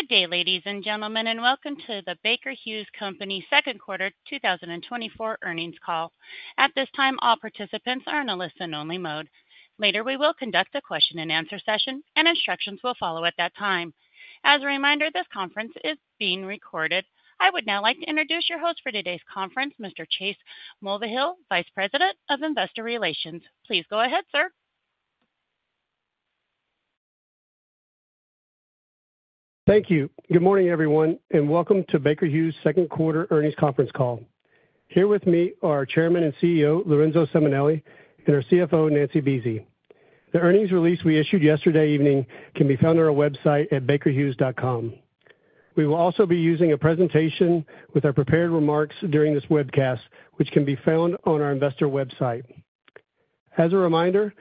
Good day, ladies and gentlemen, and welcome to the Baker Hughes Company Q2 2024 earnings call. At this time, all participants are in a listen-only mode. Later, we will conduct a question-and-answer session, and instructions will follow at that time. As a reminder, this conference is being recorded. I would now like to introduce your host for today's conference, Mr. Chase Mulvehill, Vice President of Investor Relations. Please go ahead, sir. Thank you. Good morning, everyone, and welcome to Baker Hughes' Q2 earnings conference call. Here with me are our Chairman and CEO, Lorenzo Simonelli, and our CFO, Nancy Buese. The earnings release we issued yesterday evening can be found on our website at bakerhughes.com. We will also be using a presentation with our prepared remarks during this webcast, which can be found on our investor website. As a reminder,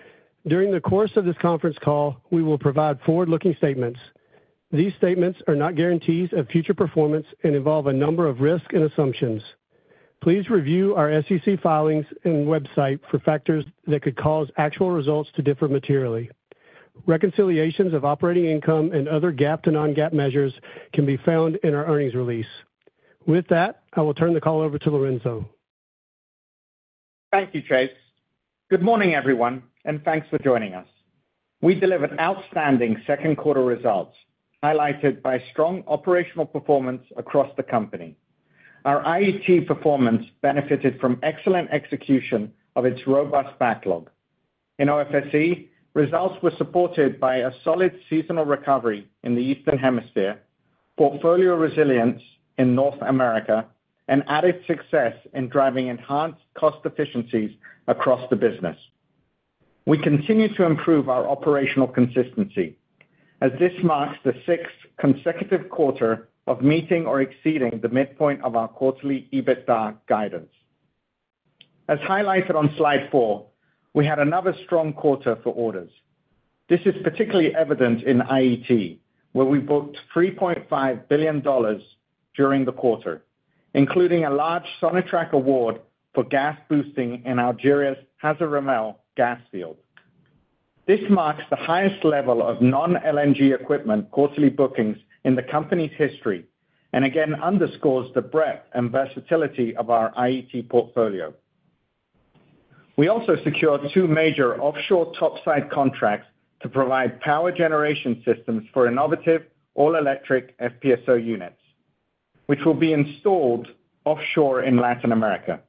during the course of this conference call, we will provide forward-looking statements. These statements are not guarantees of future performance and involve a number of risks and assumptions. Please review our SEC filings and website for factors that could cause actual results to differ materially. Reconciliations of operating income and other GAAP to non-GAAP measures can be found in our earnings release. With that, I will turn the call over to Lorenzo. Thank you, Chase. Good morning, everyone, and thanks for joining us. We delivered outstanding Q2 results, highlighted by strong operational performance across the company. Our IET performance benefited from excellent execution of its robust backlog. In OFSE, results were supported by a solid seasonal recovery in the Eastern Hemisphere, portfolio resilience in North America, and added success in driving enhanced cost efficiencies across the business. We continue to improve our operational consistency, as this marks the sixth consecutive quarter of meeting or exceeding the midpoint of our quarterly EBITDA guidance. As highlighted on Slide 4, we had another strong quarter for orders. This is particularly evident in IET, where we booked $3.5 billion during the quarter, including a large Sonatrach award for gas boosting in Algeria's Hassi R'Mel gas field. This marks the highest level of non-LNG equipment quarterly bookings in the company's history and, again, underscores the breadth and versatility of our IET portfolio. We also secured two major offshore topside contracts to provide power generation systems for innovative all-electric FPSO units, which will be installed offshore in Latin America.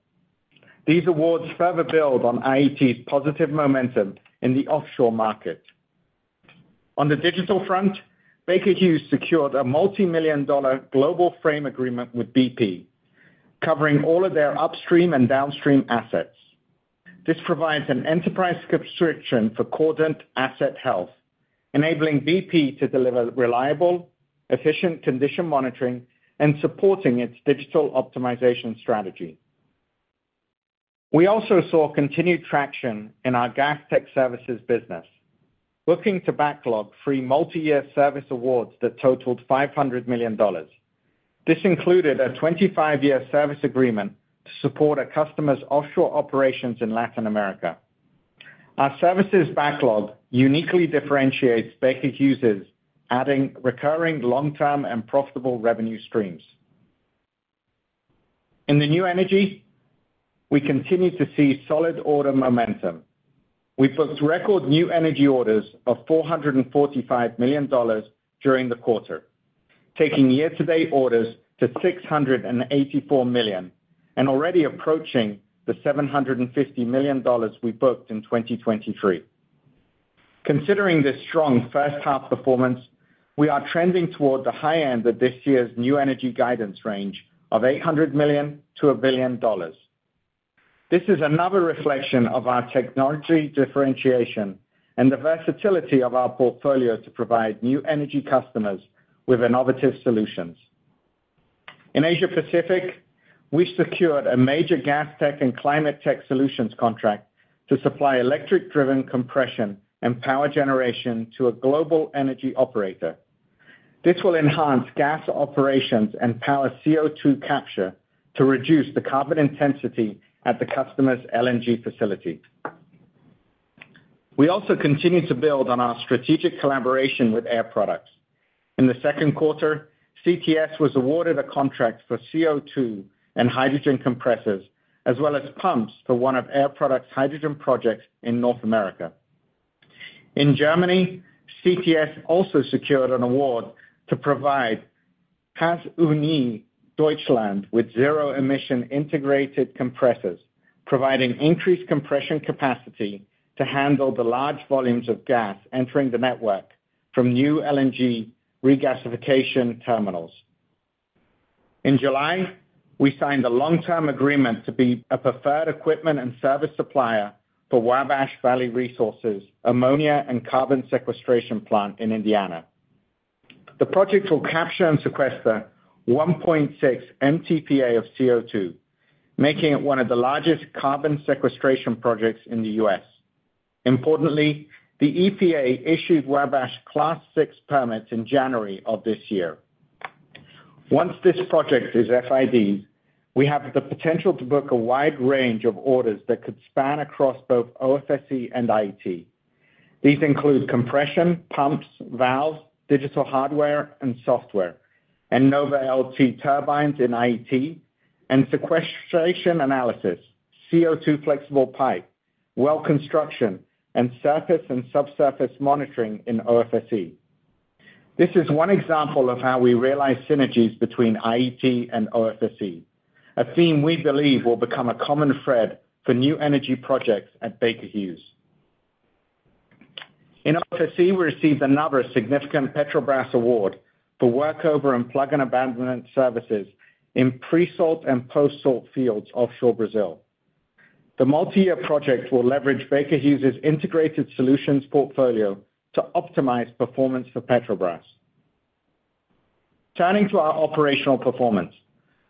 These awards further build on IET's positive momentum in the offshore market. On the digital front, Baker Hughes secured a multimillion-dollar global frame agreement with BP, covering all of their upstream and downstream assets. This provides an enterprise subscription for Cordant Asset Health, enabling BP to deliver reliable, efficient condition monitoring and supporting its digital optimization strategy. We also saw continued traction in our Gas Tech Services business, booking to backlog three multi-year service awards that totaled $500 million. This included a 25-year service agreement to support a customer's offshore operations in Latin America. Our services backlog uniquely differentiates Baker Hughes' adding recurring long-term and profitable revenue streams. In the new energy, we continue to see solid order momentum. We booked record new energy orders of $445 million during the quarter, taking year-to-date orders to $684 million and already approaching the $750 million we booked in 2023. Considering this strong first half performance, we are trending toward the high end of this year's new energy guidance range of $800 million-$1 billion. This is another reflection of our technology differentiation and the versatility of our portfolio to provide new energy customers with innovative solutions. In Asia Pacific, we secured a major Gas Tech and Climate Tech Solutions contract to supply electric-driven compression and power generation to a global energy operator. This will enhance gas operations and power CO2 capture to reduce the carbon intensity at the customer's LNG facility. We also continue to build on our strategic collaboration with Air Products. In the Q2, CTS was awarded a contract for CO2 and hydrogen compressors, as well as pumps for one of Air Products' hydrogen projects in North America. In Germany, CTS also secured an award to provide Gasunie Deutschland with zero-emission integrated compressors, providing increased compression capacity to handle the large volumes of gas entering the network from new LNG regasification terminals. In July, we signed a long-term agreement to be a preferred equipment and service supplier for Wabash Valley Resources' ammonia and carbon sequestration plant in Indiana. The project will capture and sequester 1.6 MTPA of CO2, making it one of the largest carbon sequestration projects in the U.S. Importantly, the EPA issued Wabash Class VI permits in January of this year. Once this project is FID'd, we have the potential to book a wide range of orders that could span across both OFSE and IET. These include compression, pumps, valves, digital hardware and software, and NovaLT turbines in IET, and sequestration analysis, CO2 flexible pipe, well construction, and surface and subsurface monitoring in OFSE. This is one example of how we realize synergies between IET and OFSE, a theme we believe will become a common thread for new energy projects at Baker Hughes. In OFSE, we received another significant Petrobras award for workover and plug and abandonment services in pre-salt and post-salt fields offshore Brazil. The multi-year project will leverage Baker Hughes' integrated solutions portfolio to optimize performance for Petrobras. Turning to our operational performance,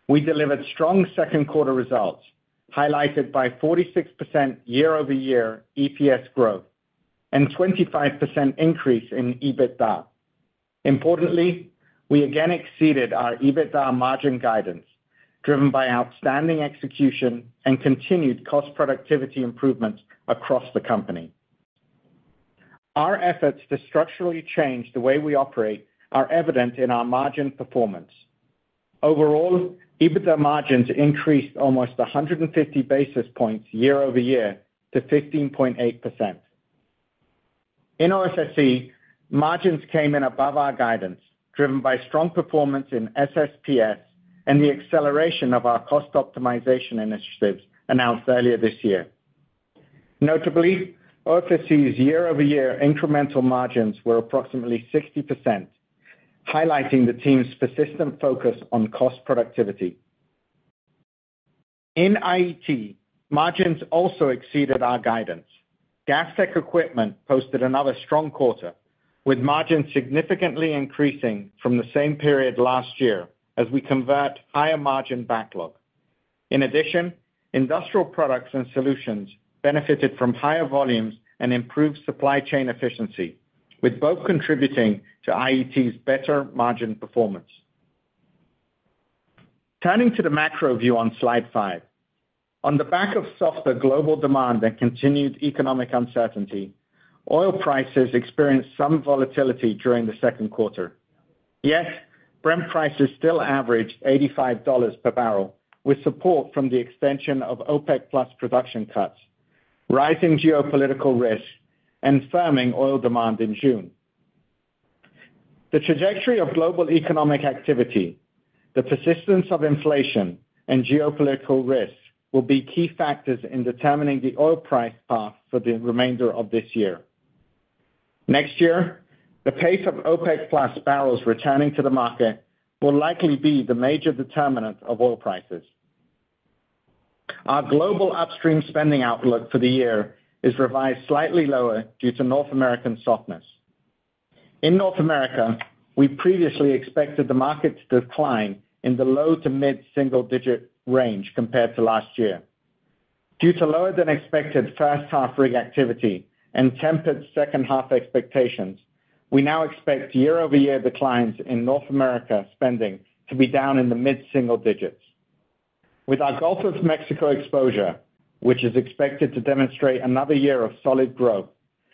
we delivered strong Q2 results, highlighted by 46% year-over-year EPS growth and 25% increase in EBITDA. Importantly, we again exceeded our EBITDA margin guidance, driven by outstanding execution and continued cost productivity improvements across the company. Our efforts to structurally change the way we operate are evident in our margin performance. Overall, EBITDA margins increased almost 150 basis points year-over-year to 15.8%. In OFSE, margins came in above our guidance, driven by strong performance in SSPS and the acceleration of our cost optimization initiatives announced earlier this year. Notably, OFSE's year-over-year incremental margins were approximately 60%, highlighting the team's persistent focus on cost productivity. In IET, margins also exceeded our guidance. GasTech equipment posted another strong quarter, with margins significantly increasing from the same period last year as we convert higher-margin backlog. In addition, industrial products and solutions benefited from higher volumes and improved supply chain efficiency, with both contributing to IET's better margin performance. Turning to the macro view on Slide 5. On the back of softer global demand and continued economic uncertainty, oil prices experienced some volatility during the Q2. Yet, Brent prices still averaged $85 per barrel, with support from the extension of OPEC+ production cuts, rising geopolitical risks, and firming oil demand in June. The trajectory of global economic activity, the persistence of inflation, and geopolitical risks will be key factors in determining the oil price path for the remainder of this year. Next year, the pace of OPEC+ barrels returning to the market will likely be the major determinant of oil prices. Our global upstream spending outlook for the year is revised slightly lower due to North American softness. In North America, we previously expected the market to decline in the low to mid-single digit range compared to last year. Due to lower-than-expected first half rig activity and tempered second half expectations, we now expect year-over-year declines in North America spending to be down in the mid-single digits. With our Gulf of Mexico exposure, which is expected to demonstrate another year of solid growth,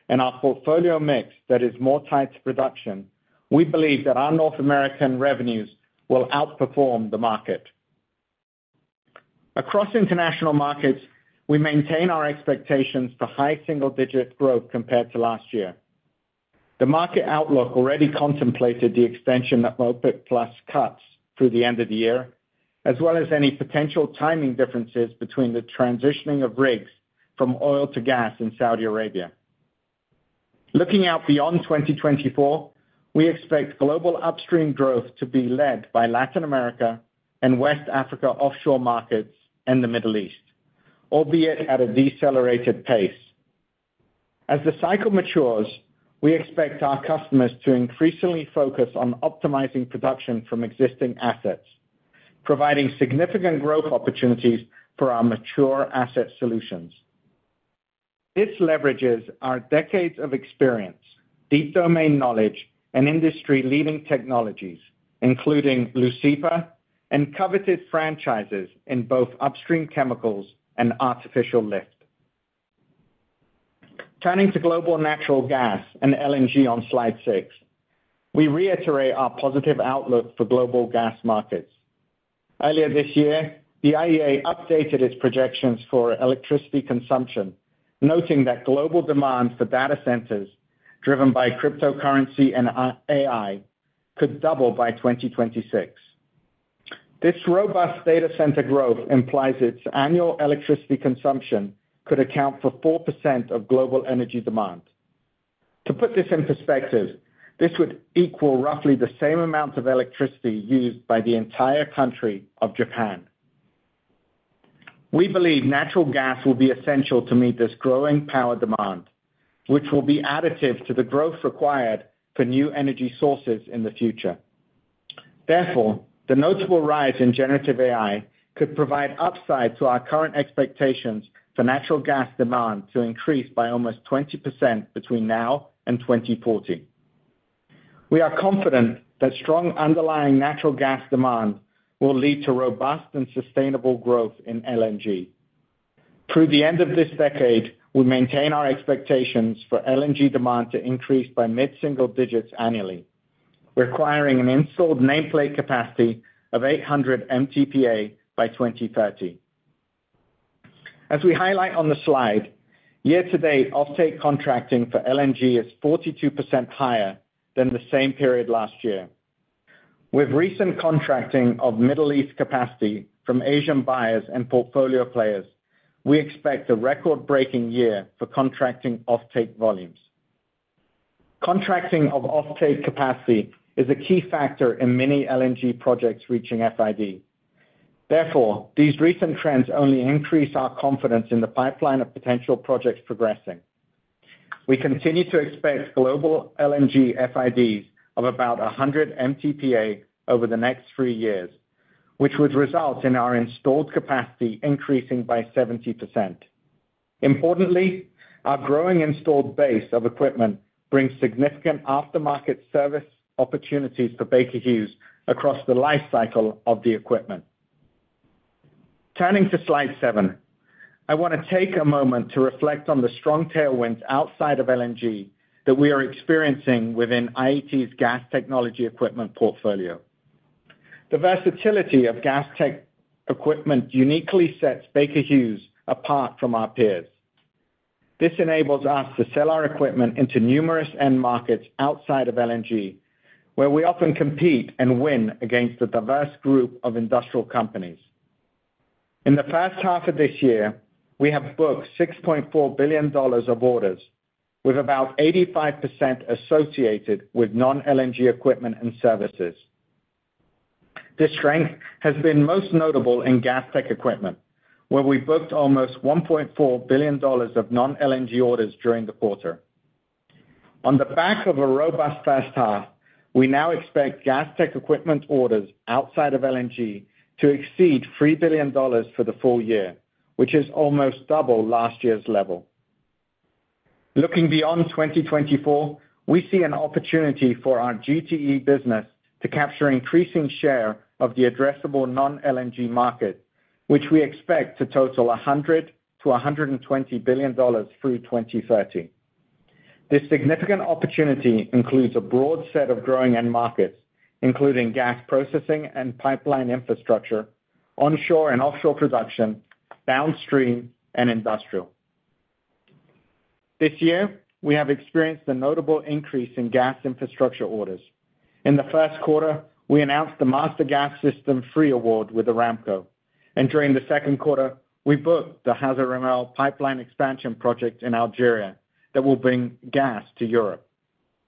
and our portfolio mix that is more tied to production, we believe that our North American revenues will outperform the market. Across international markets, we maintain our expectations for high single-digit growth compared to last year. The market outlook already contemplated the extension of OPEC+ cuts through the end of the year, as well as any potential timing differences between the transitioning of rigs from oil to gas in Saudi Arabia. Looking out beyond 2024, we expect global upstream growth to be led by Latin America and West Africa offshore markets and the Middle East, albeit at a decelerated pace. As the cycle matures, we expect our customers to increasingly focus on optimizing production from existing assets, providing significant growth opportunities for our mature asset solutions. This leverages our decades of experience, deep domain knowledge, and industry-leading technologies, including Leucipa and coveted franchises in both upstream chemicals and artificial lift. Turning to global natural gas and LNG on Slide 6, we reiterate our positive outlook for global gas markets. Earlier this year, the IEA updated its projections for electricity consumption, noting that global demand for data centers, driven by cryptocurrency and AI, could double by 2026. This robust data center growth implies its annual electricity consumption could account for 4% of global energy demand. To put this in perspective, this would equal roughly the same amount of electricity used by the entire country of Japan. We believe natural gas will be essential to meet this growing power demand, which will be additive to the growth required for new energy sources in the future. Therefore, the notable rise in generative AI could provide upside to our current expectations for natural gas demand to increase by almost 20% between now and 2040. We are confident that strong underlying natural gas demand will lead to robust and sustainable growth in LNG. Through the end of this decade, we maintain our expectations for LNG demand to increase by mid-single digits annually, requiring an installed nameplate capacity of 800 MTPA by 2030. As we highlight on the slide, year-to-date offtake contracting for LNG is 42% higher than the same period last year. With recent contracting of Middle East capacity from Asian buyers and portfolio players, we expect a record-breaking year for contracting offtake volumes. Contracting of offtake capacity is a key factor in many LNG projects reaching FID. Therefore, these recent trends only increase our confidence in the pipeline of potential projects progressing. We continue to expect global LNG FIDs of about 100 MTPA over the next three years, which would result in our installed capacity increasing by 70%. Importantly, our growing installed base of equipment brings significant aftermarket service opportunities for Baker Hughes across the lifecycle of the equipment. Turning to Slide 7, I want to take a moment to reflect on the strong tailwinds outside of LNG that we are experiencing within IET's Gas Technology Equipment portfolio. The versatility of Gas Tech Equipment uniquely sets Baker Hughes apart from our peers. This enables us to sell our equipment into numerous end markets outside of LNG, where we often compete and win against a diverse group of industrial companies. In the first half of this year, we have booked $6.4 billion of orders, with about 85% associated with non-LNG equipment and services. This strength has been most notable in Gas Tech Equipment, where we booked almost $1.4 billion of non-LNG orders during the quarter. On the back of a robust first half, we now expect Gas Tech Equipment orders outside of LNG to exceed $3 billion for the full year, which is almost double last year's level. Looking beyond 2024, we see an opportunity for our GTE business to capture increasing share of the addressable non-LNG market, which we expect to total $100 billion-$120 billion through 2030. This significant opportunity includes a broad set of growing end markets, including gas processing and pipeline infrastructure, onshore and offshore production, downstream, and industrial. This year, we have experienced a notable increase in gas infrastructure orders. In the Q1, we announced the Master Gas System 3 award with Aramco, and during the Q2, we booked the Hassi R'Mel pipeline expansion project in Algeria that will bring gas to Europe.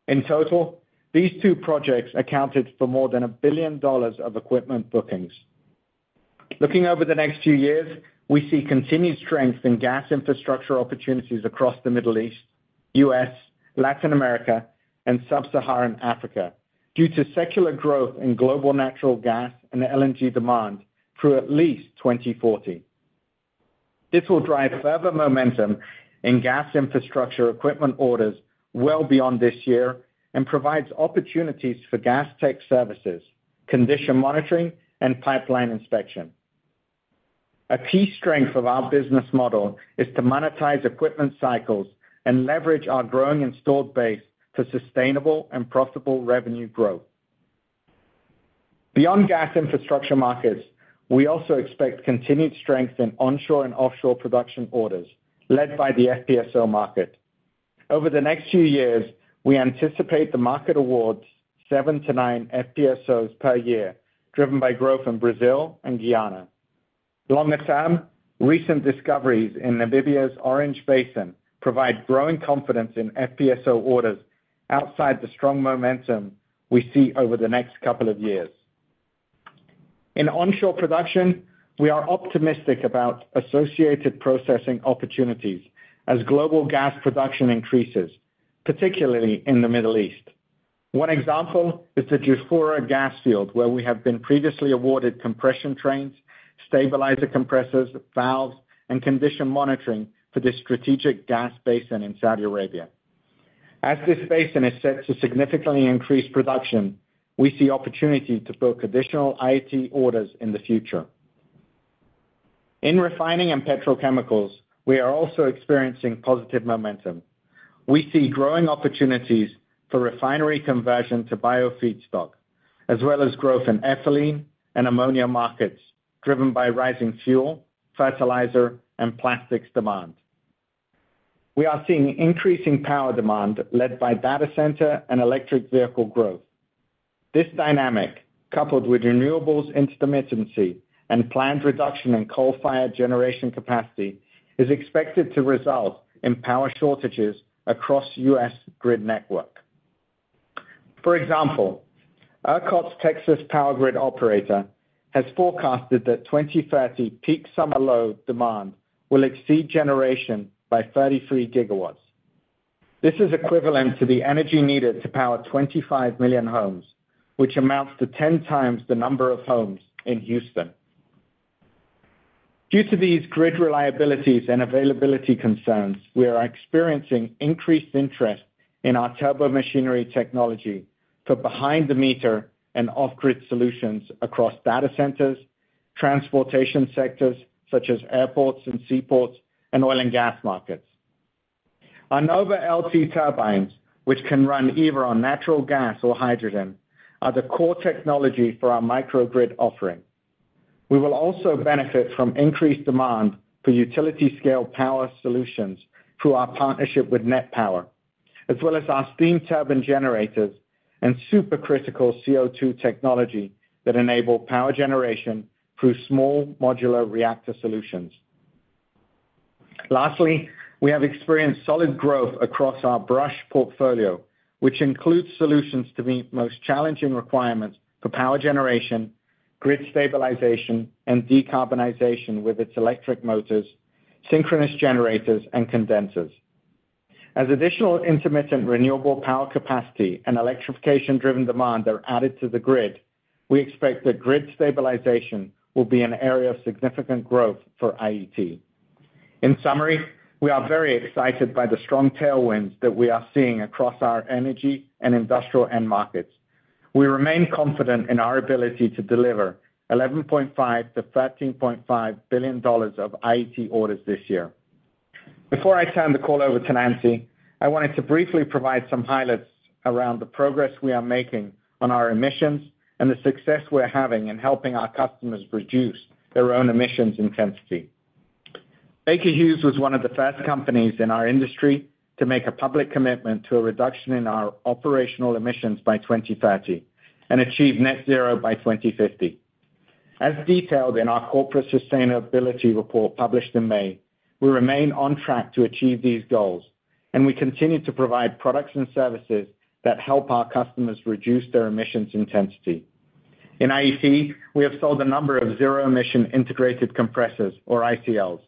In total, these two projects accounted for more than $1 billion of equipment bookings. Looking over the next few years, we see continued strength in gas infrastructure opportunities across the Middle East, U.S., Latin America, and Sub-Saharan Africa due to secular growth in global natural gas and LNG demand through at least 2040. This will drive further momentum in gas infrastructure equipment orders well beyond this year and provides opportunities for Gas Tech Services, condition monitoring, and pipeline inspection. A key strength of our business model is to monetize equipment cycles and leverage our growing installed base for sustainable and profitable revenue growth. Beyond gas infrastructure markets, we also expect continued strength in onshore and offshore production orders, led by the FPSO market. Over the next few years, we anticipate the market awards 7-9 FPSOs per year, driven by growth in Brazil and Guyana. Long term, recent discoveries in Namibia's Orange Basin provide growing confidence in FPSO orders outside the strong momentum we see over the next couple of years. In onshore production, we are optimistic about associated processing opportunities as global gas production increases, particularly in the Middle East. One example is the Jafurah gas field, where we have been previously awarded compression trains, stabilizer compressors, valves, and condition monitoring for this strategic gas basin in Saudi Arabia. As this basin is set to significantly increase production, we see opportunity to book additional IET orders in the future. In refining and petrochemicals, we are also experiencing positive momentum. We see growing opportunities for refinery conversion to biofeedstock, as well as growth in ethylene and ammonia markets, driven by rising fuel, fertilizer, and plastics demand. We are seeing increasing power demand led by data center and electric vehicle growth. This dynamic, coupled with renewables intermittency and planned reduction in coal-fired generation capacity, is expected to result in power shortages across U.S. grid network. For example, ERCOT's Texas power grid operator has forecasted that 2030 peak summer load demand will exceed generation by 33 GW. This is equivalent to the energy needed to power 25 million homes, which amounts to 10x the number of homes in Houston. Due to these grid reliabilities and availability concerns, we are experiencing increased interest in our turbomachinery technology for behind-the-meter and off-grid solutions across data centers, transportation sectors, such as airports and seaports, and oil and gas markets. Our NovaLT turbines, which can run either on natural gas or hydrogen, are the core technology for our microgrid offering. We will also benefit from increased demand for utility-scale power solutions through our partnership with NET Power, as well as our steam turbine generators and supercritical CO2 technology that enable power generation through small modular reactor solutions. Lastly, we have experienced solid growth across our BRUSH portfolio, which includes solutions to meet the most challenging requirements for power generation, grid stabilization, and decarbonization with its electric motors, synchronous generators, and condensers. As additional intermittent renewable power capacity and electrification-driven demand are added to the grid, we expect that grid stabilization will be an area of significant growth for IET. In summary, we are very excited by the strong tailwinds that we are seeing across our energy and industrial end markets. We remain confident in our ability to deliver $11.5 billion-$13.5 billion of IET orders this year. Before I turn the call over to Nancy, I wanted to briefly provide some highlights around the progress we are making on our emissions and the success we're having in helping our customers reduce their own emissions intensity. Baker Hughes was one of the first companies in our industry to make a public commitment to a reduction in our operational emissions by 2030, and achieve net zero by 2050. As detailed in our corporate sustainability report published in May, we remain on track to achieve these goals, and we continue to provide products and services that help our customers reduce their emissions intensity. In IET, we have sold a number of zero-emission integrated compressors, or ICLs.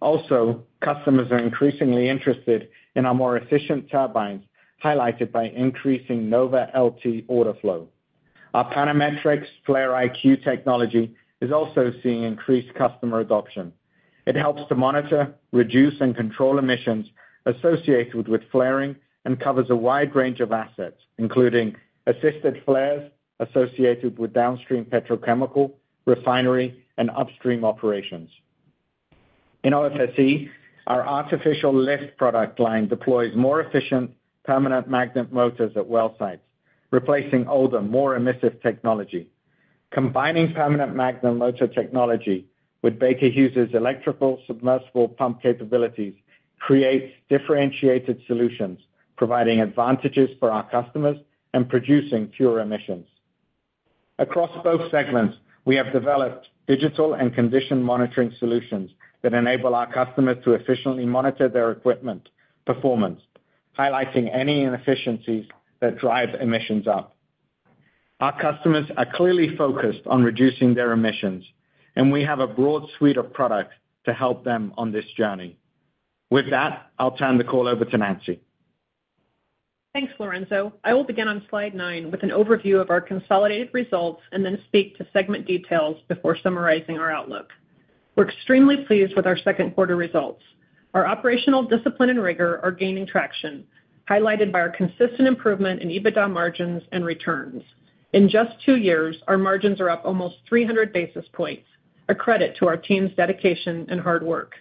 Also, customers are increasingly interested in our more efficient turbines, highlighted by increasing NovaLT order flow. Our Panametrics flare. IQ technology is also seeing increased customer adoption. It helps to monitor, reduce, and control emissions associated with flaring and covers a wide range of assets, including assisted flares associated with downstream petrochemical, refinery, and upstream operations. In OFSE, our artificial lift product line deploys more efficient permanent magnet motors at well sites, replacing older, more emissive technology. Combining permanent magnet motor technology with Baker Hughes's electrical submersible pump capabilities creates differentiated solutions, providing advantages for our customers and producing fewer emissions. Across both segments, we have developed digital and condition monitoring solutions that enable our customers to efficiently monitor their equipment performance, highlighting any inefficiencies that drive emissions up. Our customers are clearly focused on reducing their emissions, and we have a broad suite of products to help them on this journey. With that, I'll turn the call over to Nancy. Thanks, Lorenzo. I will begin on Slide 9 with an overview of our consolidated results and then speak to segment details before summarizing our outlook. We're extremely pleased with our Q2 results. Our operational discipline and rigor are gaining traction, highlighted by our consistent improvement in EBITDA margins and returns. In just 2 years, our margins are up almost 300 basis points, a credit to our team's dedication and hard work.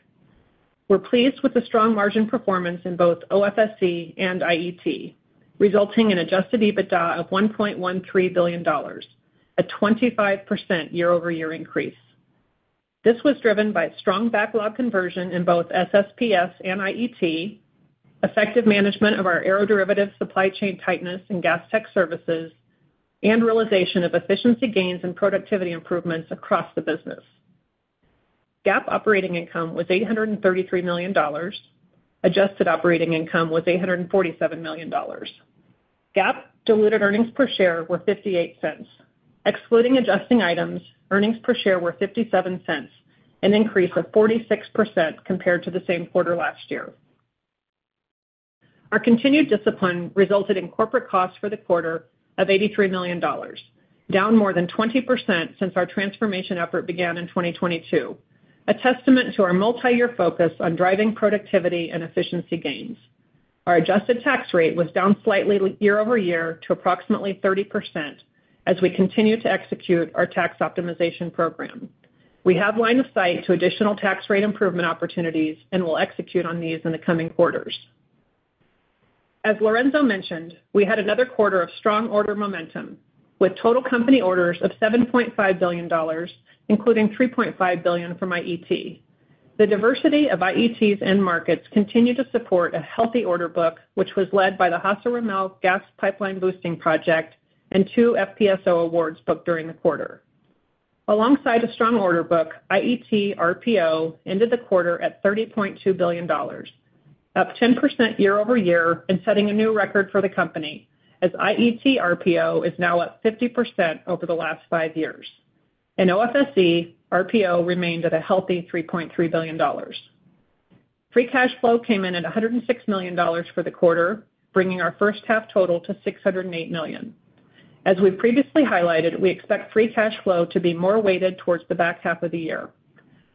We're pleased with the strong margin performance in both OFSE and IET, resulting in Adjusted EBITDA of $1.13 billion, a 25% year-over-year increase. This was driven by strong backlog conversion in both SSPS and IET, effective management of our aeroderivative supply chain tightness and Gas Tech Services, and realization of efficiency gains and productivity improvements across the business. GAAP operating income was $833 million. Adjusted operating income was $847 million. GAAP diluted earnings per share were $0.58. Excluding adjusting items, earnings per share were $0.57, an increase of 46% compared to the same quarter last year. Our continued discipline resulted in corporate costs for the quarter of $83 million, down more than 20% since our transformation effort began in 2022, a testament to our multi-year focus on driving productivity and efficiency gains. Our adjusted tax rate was down slightly year-over-year to approximately 30% as we continue to execute our tax optimization program. We have line of sight to additional tax rate improvement opportunities and will execute on these in the coming quarters. As Lorenzo mentioned, we had another quarter of strong order momentum, with total company orders of $7.5 billion, including $3.5 billion from IET. The diversity of IET's end markets continue to support a healthy order book, which was led by the Hassi R'Mel gas pipeline boosting project and two FPSO awards booked during the quarter. Alongside a strong order book, IET RPO ended the quarter at $30.2 billion, up 10% year-over-year and setting a new record for the company as IET RPO is now up 50% over the last five years. In OFSE, RPO remained at a healthy $3.3 billion. Free cash flow came in at $106 million for the quarter, bringing our first half total to $608 million. As we've previously highlighted, we expect free cash flow to be more weighted towards the back half of the year.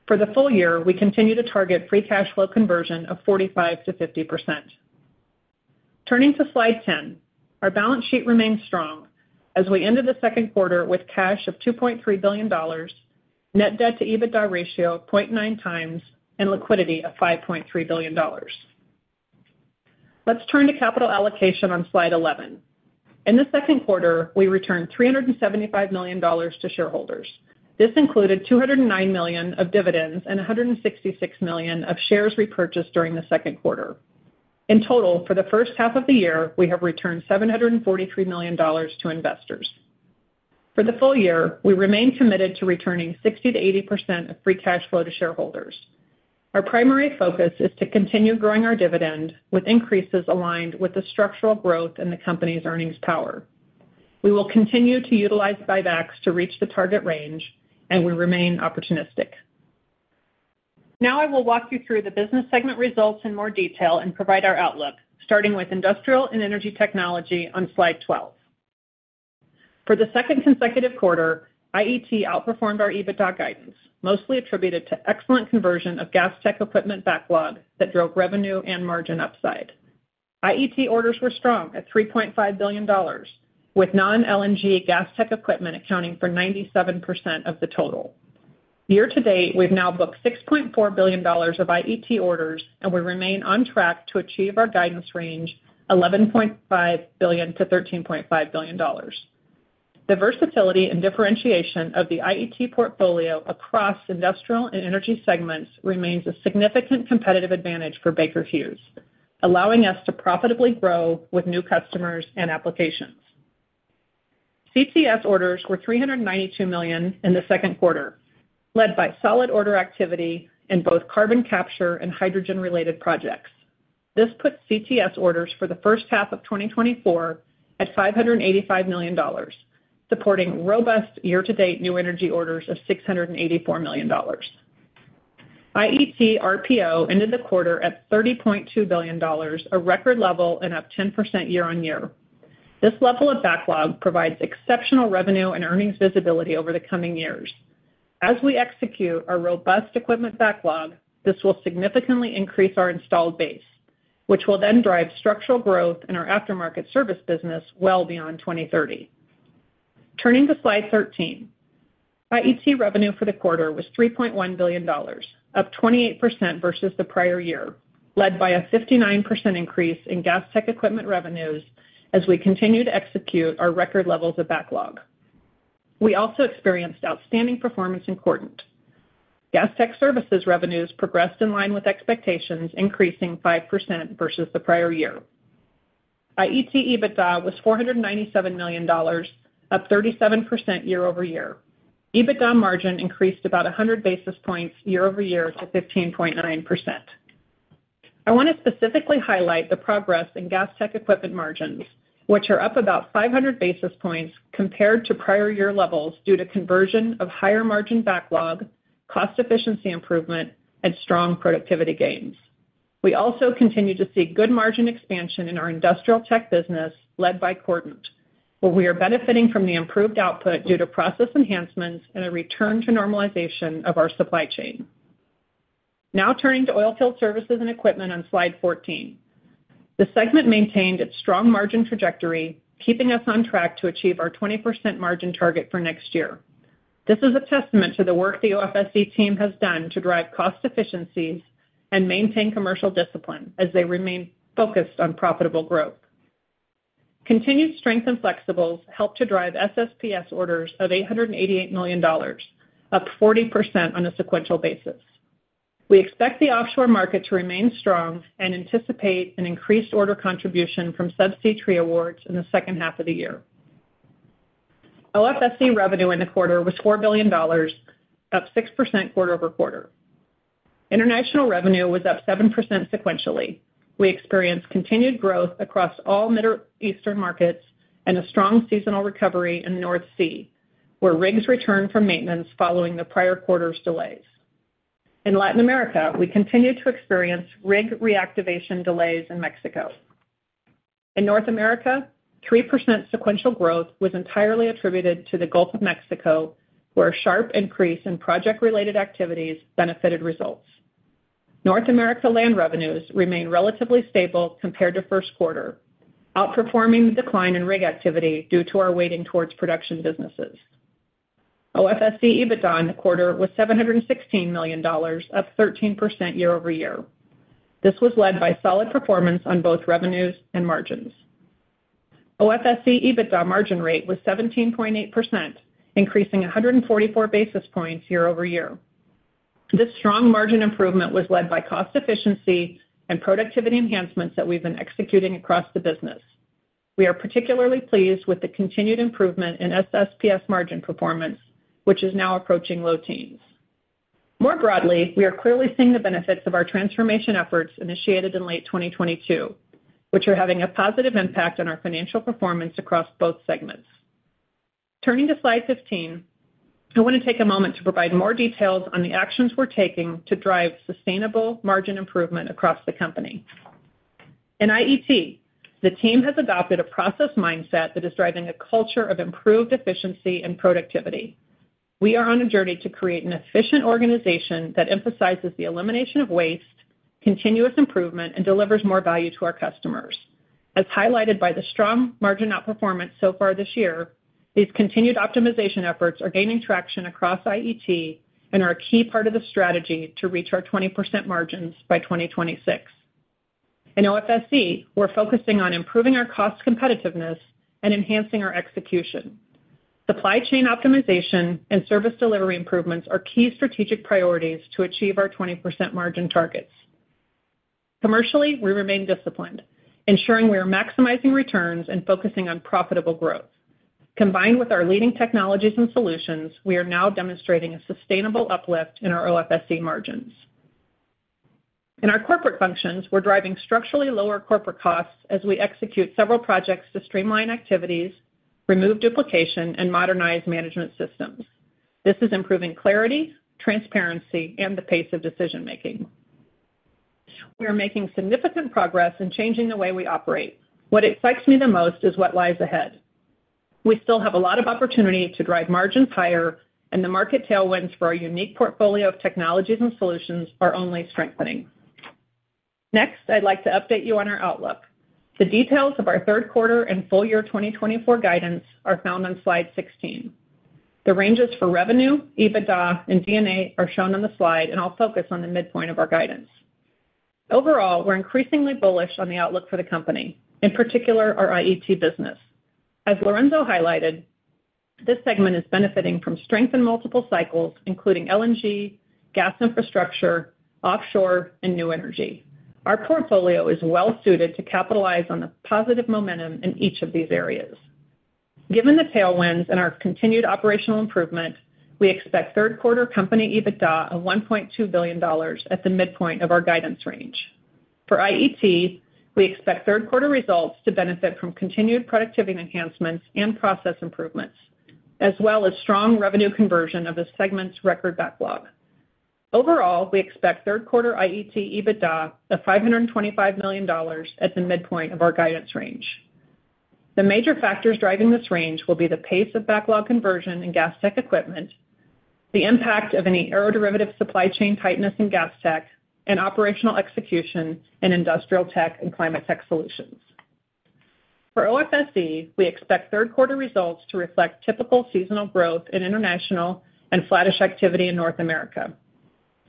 For the full year, we continue to target free cash flow conversion of 45%-50%. Turning to Slide 10, our balance sheet remains strong as we ended the Q2 with cash of $2.3 billion, net debt to EBITDA ratio of 0.9x, and liquidity of $5.3 billion. Let's turn to capital allocation on Slide 11. In the Q2, we returned $375 million to shareholders. This included $209 million of dividends and $166 million of shares repurchased during the Q2. In total, for the first half of the year, we have returned $743 million to investors. For the full year, we remain committed to returning 60%-80% of free cash flow to shareholders. Our primary focus is to continue growing our dividend, with increases aligned with the structural growth in the company's earnings power. We will continue to utilize buybacks to reach the target range, and we remain opportunistic. Now I will walk you through the business segment results in more detail and provide our outlook, starting with Industrial and Energy Technology on Slide 12. For the second consecutive quarter, IET outperformed our EBITDA guidance, mostly attributed to excellent conversion of Gas Tech Equipment backlog that drove revenue and margin upside. IET orders were strong at $3.5 billion, with non-LNG Gas Tech Equipment accounting for 97% of the total. Year to date, we've now booked $6.4 billion of IET orders, and we remain on track to achieve our guidance range, $11.5 billion-$13.5 billion. The versatility and differentiation of the IET portfolio across industrial and energy segments remains a significant competitive advantage for Baker Hughes, allowing us to profitably grow with new customers and applications. CTS orders were $392 million in the Q2, led by solid order activity in both carbon capture and hydrogen-related projects. This puts CTS orders for the first half of 2024 at $585 million, supporting robust year-to-date new energy orders of $684 million. IET RPO ended the quarter at $30.2 billion, a record level and up 10% year-on-year. This level of backlog provides exceptional revenue and earnings visibility over the coming years. As we execute our robust equipment backlog, this will significantly increase our installed base, which will then drive structural growth in our aftermarket service business well beyond 2030. Turning to Slide 13. IET revenue for the quarter was $3.1 billion, up 28% versus the prior year, led by a 59% increase in Gas Tech Equipment revenues as we continue to execute our record levels of backlog. We also experienced outstanding performance in Cordant. Gas Tech Services revenues progressed in line with expectations, increasing 5% versus the prior year. IET EBITDA was $497 million, up 37% year-over-year. EBITDA margin increased about 100 basis points year-over-year to 15.9%. I want to specifically highlight the progress in Gas Tech Equipment margins, which are up about 500 basis points compared to prior year levels due to conversion of higher-margin backlog, cost efficiency improvement, and strong productivity gains. We also continue to see good margin expansion in our Industrial Tech business, led by Cordant, where we are benefiting from the improved output due to process enhancements and a return to normalization of our supply chain. Now turning to Oilfield Services and Equipment on Slide 14. The segment maintained its strong margin trajectory, keeping us on track to achieve our 20% margin target for next year. This is a testament to the work the OFSE team has done to drive cost efficiencies and maintain commercial discipline as they remain focused on profitable growth. Continued strength in flexibles helped to drive SSPS orders of $888 million, up 40% on a sequential basis. We expect the offshore market to remain strong and anticipate an increased order contribution from subsea tree awards in the second half of the year. OFSE revenue in the quarter was $4 billion, up 6% quarter-over-quarter. International revenue was up 7% sequentially. We experienced continued growth across all Middle Eastern markets and a strong seasonal recovery in the North Sea, where rigs returned from maintenance following the prior quarter's delays. In Latin America, we continued to experience rig reactivation delays in Mexico. In North America, 3% sequential growth was entirely attributed to the Gulf of Mexico, where a sharp increase in project-related activities benefited results. North America land revenues remained relatively stable compared to Q1, outperforming the decline in rig activity due to our weighting towards production businesses. OFSE EBITDA in the quarter was $716 million, up 13% year-over-year. This was led by solid performance on both revenues and margins. OFSE EBITDA margin rate was 17.8%, increasing 144 basis points year-over-year. This strong margin improvement was led by cost efficiency and productivity enhancements that we've been executing across the business. We are particularly pleased with the continued improvement in SSPS margin performance, which is now approaching low teens. More broadly, we are clearly seeing the benefits of our transformation efforts initiated in late 2022, which are having a positive impact on our financial performance across both segments. Turning to Slide 15, I want to take a moment to provide more details on the actions we're taking to drive sustainable margin improvement across the company. In IET, the team has adopted a process mindset that is driving a culture of improved efficiency and productivity. We are on a journey to create an efficient organization that emphasizes the elimination of waste, continuous improvement, and delivers more value to our customers. As highlighted by the strong margin outperformance so far this year, these continued optimization efforts are gaining traction across IET and are a key part of the strategy to reach our 20% margins by 2026. In OFSE, we're focusing on improving our cost competitiveness and enhancing our execution. Supply chain optimization and service delivery improvements are key strategic priorities to achieve our 20% margin targets. Commercially, we remain disciplined, ensuring we are maximizing returns and focusing on profitable growth. Combined with our leading technologies and solutions, we are now demonstrating a sustainable uplift in our OFSE margins. In our corporate functions, we're driving structurally lower corporate costs as we execute several projects to streamline activities, remove duplication, and modernize management systems. This is improving clarity, transparency, and the pace of decision-making. We are making significant progress in changing the way we operate. What excites me the most is what lies ahead. We still have a lot of opportunity to drive margins higher, and the market tailwinds for our unique portfolio of technologies and solutions are only strengthening. Next, I'd like to update you on our outlook. The details of our Q3 and full year 2024 guidance are found on Slide 16. The ranges for revenue, EBITDA, and D&A are shown on the slide, and I'll focus on the midpoint of our guidance. Overall, we're increasingly bullish on the outlook for the company, in particular, our IET business. As Lorenzo highlighted, this segment is benefiting from strength in multiple cycles, including LNG, gas infrastructure, offshore, and new energy. Our portfolio is well suited to capitalize on the positive momentum in each of these areas. Given the tailwinds and our continued operational improvement, we expect Q3 company EBITDA of $1.2 billion at the midpoint of our guidance range. For IET, we expect Q3 results to benefit from continued productivity enhancements and process improvements, as well as strong revenue conversion of the segment's record backlog. Overall, we expect Q3 IET EBITDA of $525 million at the midpoint of our guidance range. The major factors driving this range will be the pace of backlog conversion in Gas Tech Equipment, the impact of any aeroderivative supply chain tightness in Gas Tech, and operational execution in Industrial Tech and Climate Tech Solutions. For OFSE, we expect Q3 results to reflect typical seasonal growth in international and flattish activity in North America.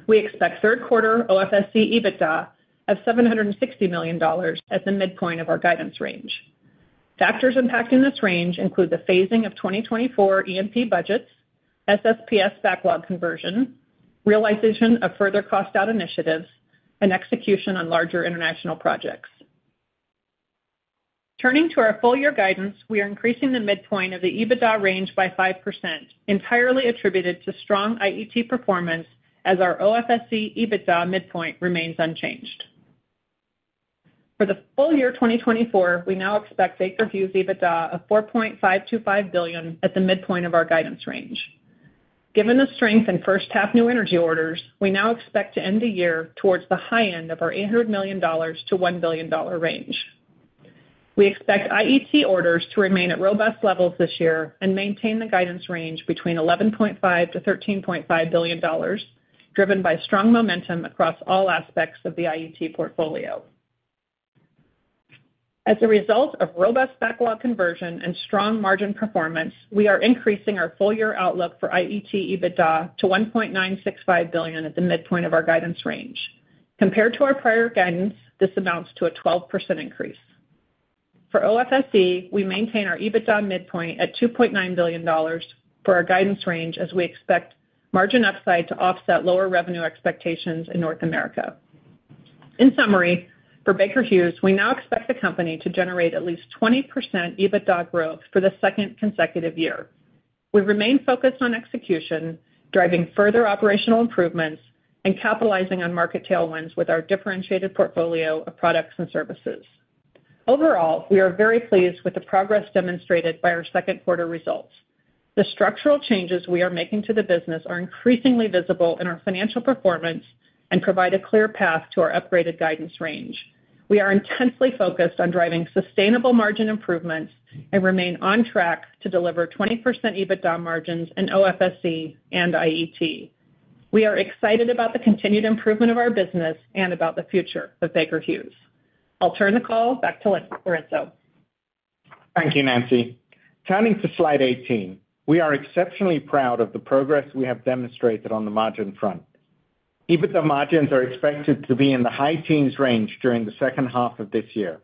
We expect Q3 OFSE EBITDA of $760 million at the midpoint of our guidance range. Factors impacting this range include the phasing of 2024 E&P budgets, SSPS backlog conversion, realization of further cost out initiatives, and execution on larger international projects. Turning to our full year guidance, we are increasing the midpoint of the EBITDA range by 5%, entirely attributed to strong IET performance, as our OFSE EBITDA midpoint remains unchanged. For the full year 2024, we now expect Baker Hughes EBITDA of $4.525 billion at the midpoint of our guidance range. Given the strength in first half new energy orders, we now expect to end the year towards the high end of our $800 million-$1 billion range. We expect IET orders to remain at robust levels this year and maintain the guidance range between $11.5 billion-$13.5 billion, driven by strong momentum across all aspects of the IET portfolio. As a result of robust backlog conversion and strong margin performance, we are increasing our full year outlook for IET EBITDA to $1.965 billion at the midpoint of our guidance range. Compared to our prior guidance, this amounts to a 12% increase. For OFSE, we maintain our EBITDA midpoint at $2.9 billion for our guidance range, as we expect margin upside to offset lower revenue expectations in North America. In summary, for Baker Hughes, we now expect the company to generate at least 20% EBITDA growth for the second consecutive year. We remain focused on execution, driving further operational improvements, and capitalizing on market tailwinds with our differentiated portfolio of products and services. Overall, we are very pleased with the progress demonstrated by our Q2 results. The structural changes we are making to the business are increasingly visible in our financial performance and provide a clear path to our upgraded guidance range. We are intensely focused on driving sustainable margin improvements and remain on track to deliver 20% EBITDA margins in OFSE and IET. We are excited about the continued improvement of our business and about the future of Baker Hughes. I'll turn the call back to Lorenzo. Thank you, Nancy. Turning to Slide 18, we are exceptionally proud of the progress we have demonstrated on the margin front. EBITDA margins are expected to be in the high teens range during the second half of this year,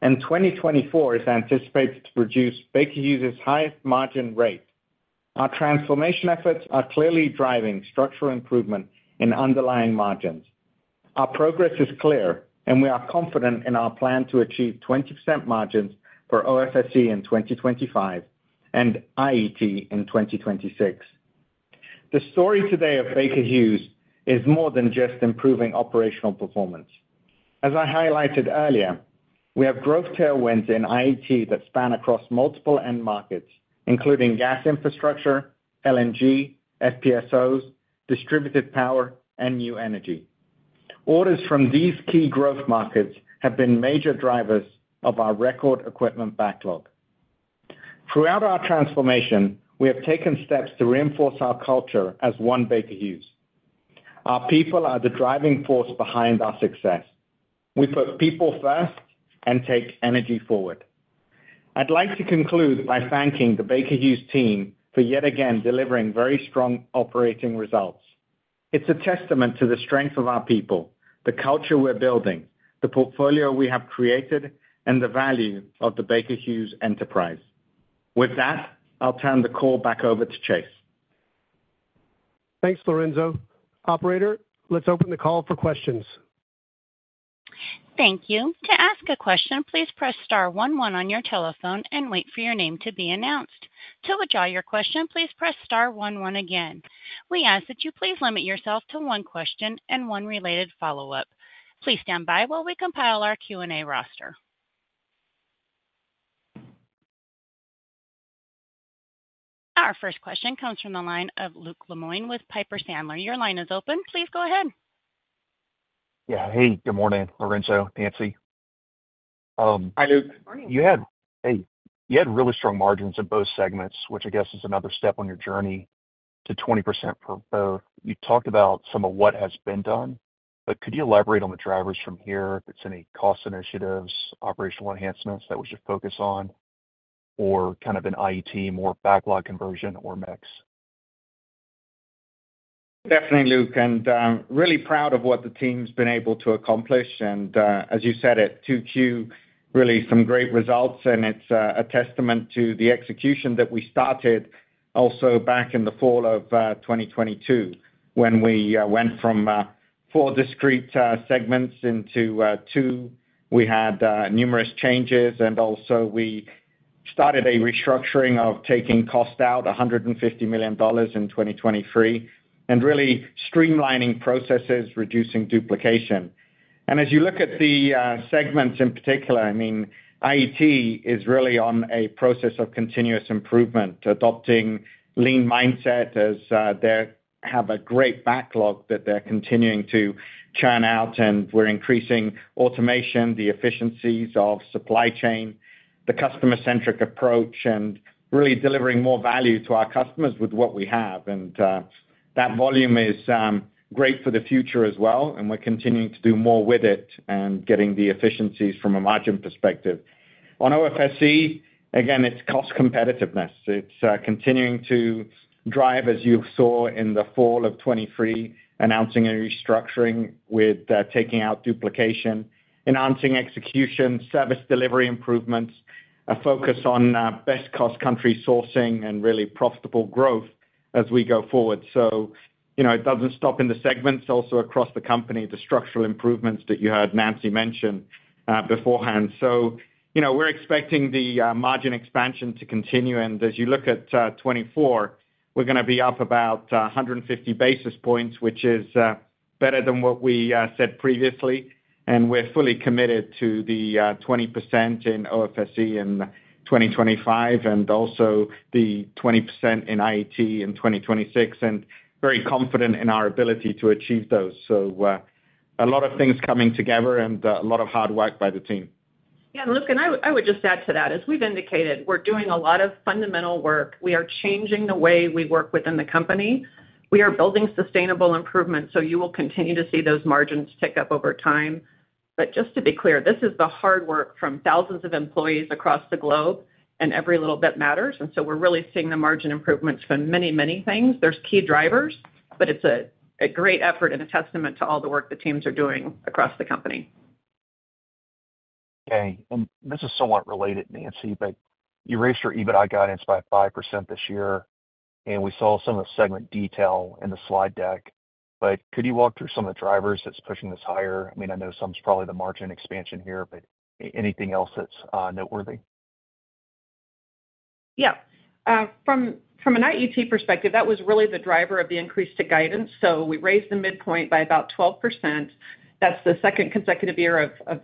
and 2024 is anticipated to produce Baker Hughes's highest margin rate. Our transformation efforts are clearly driving structural improvement in underlying margins. Our progress is clear, and we are confident in our plan to achieve 20% margins for OFSE in 2025 and IET in 2026. The story today of Baker Hughes is more than just improving operational performance. As I highlighted earlier, we have growth tailwinds in IET that span across multiple end markets, including gas infrastructure, LNG, FPSOs, distributed power, and new energy. Orders from these key growth markets have been major drivers of our record equipment backlog. Throughout our transformation, we have taken steps to reinforce our culture as One Baker Hughes. Our people are the driving force behind our success. We put people first and take energy forward. I'd like to conclude by thanking the Baker Hughes team for yet again delivering very strong operating results. It's a testament to the strength of our people, the culture we're building, the portfolio we have created, and the value of the Baker Hughes enterprise. With that, I'll turn the call back over to Chase. Thanks, Lorenzo. Operator, let's open the call for questions. Thank you. To ask a question, please press star one one on your telephone and wait for your name to be announced. To withdraw your question, please press star one one again. We ask that you please limit yourself to one question and one related follow-up. Please stand by while we compile our Q&A roster. Our first question comes from the line of Luke Lemoine with Piper Sandler. Your line is open. Please go ahead. Yeah. Hey, good morning, Lorenzo, Nancy. Hi, Luke. Morning. Hey, you had really strong margins in both segments, which I guess is another step on your journey to 20% for both. You talked about some of what has been done, but could you elaborate on the drivers from here, if it's any cost initiatives, operational enhancements that we should focus on, or kind of an IET, more backlog conversion or mix? Definitely, Luke, and really proud of what the team's been able to accomplish. And, as you said, at 2Q, really some great results, and it's a testament to the execution that we started also back in the fall of 2022, when we went from four discrete segments into two. We had numerous changes, and also we started a restructuring of taking cost out, $150 million in 2023, and really streamlining processes, reducing duplication. And as you look at the segments in particular, I mean, IET is really on a process of continuous improvement, adopting lean mindset as they have a great backlog that they're continuing to churn out, and we're increasing automation, the efficiencies of supply chain, the customer-centric approach, and really delivering more value to our customers with what we have. That volume is great for the future as well, and we're continuing to do more with it and getting the efficiencies from a margin perspective. On OFSE, again, it's cost competitiveness. It's continuing to drive, as you saw in the fall of 2023, announcing a restructuring with taking out duplication, enhancing execution, service delivery improvements, a focus on best cost country sourcing and really profitable growth as we go forward. So, you know, it doesn't stop in the segments, also across the company, the structural improvements that you heard Nancy mention beforehand. So, you know, we're expecting the margin expansion to continue, and as you look at 2024, we're gonna be up about 150 basis points, which is better than what we said previously. And we're fully committed to the 20% in OFSE in 2025 and also the 20% in IET in 2026, and very confident in our ability to achieve those. So, a lot of things coming together and a lot of hard work by the team. Yeah, Luke, and I would just add to that, as we've indicated, we're doing a lot of fundamental work. We are changing the way we work within the company. We are building sustainable improvement, so you will continue to see those margins tick up over time. But just to be clear, this is the hard work from thousands of employees across the globe, and every little bit matters, and so we're really seeing the margin improvements from many, many things. There's key drivers, but it's a great effort and a testament to all the work the teams are doing across the company. Okay, and this is somewhat related, Nancy, but you raised your EBITDA guidance by 5% this year, and we saw some of the segment detail in the slide deck. But could you walk through some of the drivers that's pushing this higher? I mean, I know some is probably the margin expansion here, but anything else that's noteworthy? Yeah. From an IET perspective, that was really the driver of the increase to guidance. So we raised the midpoint by about 12%. That's the second consecutive year of